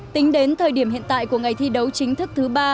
tính đến thời điểm hiện tại của ngày thi đấu chính thức thứ ba